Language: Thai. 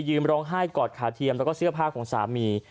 ร้องไห้กอดขาเทียมแล้วก็เสื้อผ้าของสามี